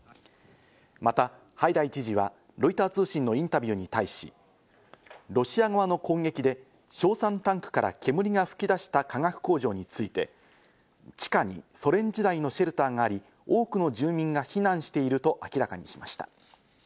またハイダイ知事はロイター通信のインタビューに対し、ロシア側の攻撃で硝酸タンクから煙が吹き出した化学工場について地下にソ連時代のシェルターがあり、多くの住民が避難していると明らかにしました。